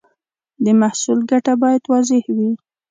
د محصول ګټه باید واضح وي.